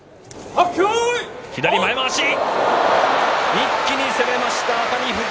一気に攻めました熱海富士。